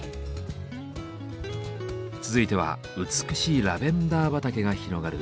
続いては美しいラベンダー畑が広がる